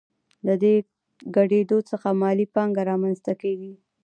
د دې ګډېدو څخه مالي پانګه رامنځته کېږي